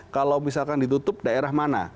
kalau misalkan ditutup daerah mana